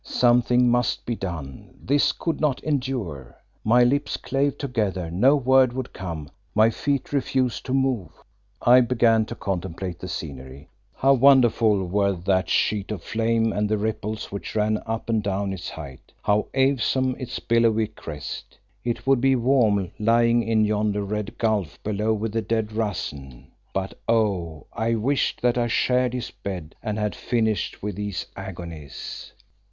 Something must be done, this could not endure. My lips clave together, no word would come; my feet refused to move. I began to contemplate the scenery. How wonderful were that sheet of flame, and the ripples which ran up and down its height. How awesome its billowy crest. It would be warm lying in yonder red gulf below with the dead Rassen, but oh! I wished that I shared his bed and had finished with these agonies.